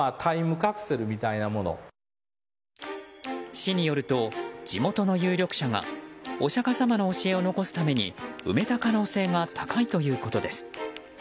市によると地元の有力者がお釈迦様の教えを残すために埋めた可能性が高いということです。